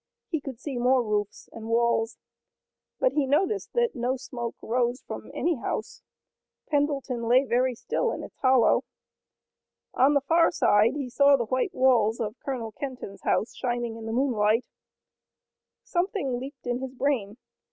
He could see more roofs, and walls, but he noticed that no smoke rose from any house. Pendleton lay very still in its hollow. On the far side he saw the white walls of Colonel Kenton's house shining in the moonlight. Something leaped in his brain.